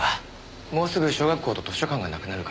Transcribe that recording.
もうすぐ小学校と図書館がなくなるから。